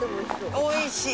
おいしい。